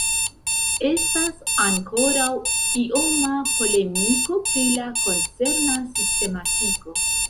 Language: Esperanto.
Estas ankoraŭ ioma polemiko pri la koncerna sistematiko.